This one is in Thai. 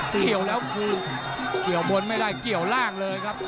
เกี่ยวแล้วคืนเกี่ยวบนไม่ได้เกี่ยวล่างเลยครับ